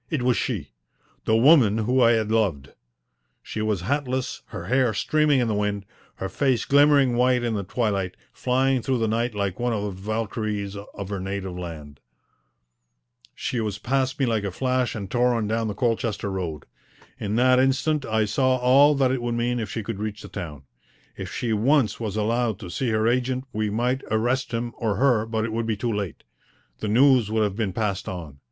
It was she the woman whom I had loved. She was hatless, her hair streaming in the wind, her face glimmering white in the twilight, flying through the night like one of the Valkyries of her native land. She was past me like a flash and tore on down the Colchester Road. In that instant I saw all that it would mean if she could reach the town. If she once was allowed to see her agent we might arrest him or her, but it would be too late. The news would have been passed on.